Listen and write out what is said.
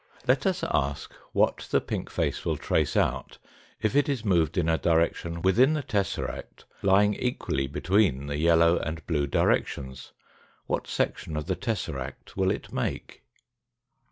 Let us ask what the pink face will trace out if it is moved in a direction within the tesseract lying equally between the yellow and blue directions. What section of the tesseract will it make